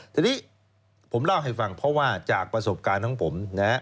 ทีนี้ผมเล่าให้ฟังเพราะว่าจากประสบการณ์ของผมนะฮะ